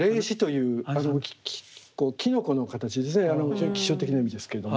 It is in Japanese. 非常に吉祥的な意味ですけれども。